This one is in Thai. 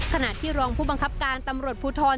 ขณะที่รองผู้บังคับการตำรวจภูทร